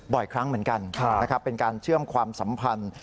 บ่อยครั้งเหมือนกันนะครับเป็นการเชื่อมความสัมพันธ์